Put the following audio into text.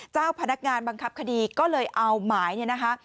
เจ้าพนักงานบังคับคดีก็เลยเอาหมายเนี่ยนะคะ